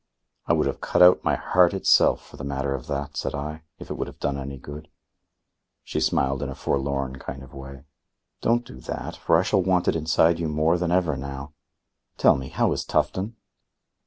"I would have cut out my heart itself, for the matter of that," said I, "if it would have done any good." She smiled in a forlorn kind of way. "Don't do that, for I shall want it inside you more than ever now. Tell me, how is Tufton?"